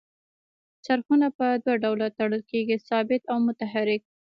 څرخونه په دوه ډوله تړل کیږي ثابت او متحرک.